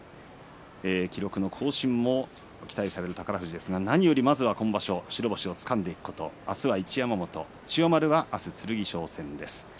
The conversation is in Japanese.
記録の更新を期待されている宝富士ですが何よりも今場所白星をつかんでいくこと明日は一山本、千代丸は明日は剣翔戦です。